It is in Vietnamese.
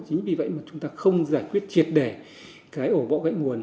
chính vì vậy mà chúng ta không giải quyết triệt đẻ cái ổ bọ gãy nguồn